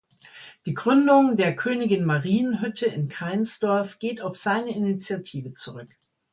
Die Gründung der Königin-Marien-Hütte in Cainsdorf geht auf seine Initiative zurück.